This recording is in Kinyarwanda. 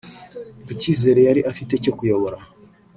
Ku kizere yari afite cyo kuyobora